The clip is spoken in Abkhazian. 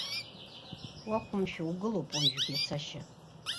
Уақәымшәо угылоуп уажәгьы ацашьа.